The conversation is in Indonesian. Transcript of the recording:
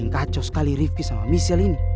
kacau sekali dengan michelle ini